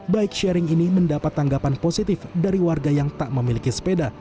bike sharing ini mendapat tanggapan positif dari warga yang tak memiliki sepeda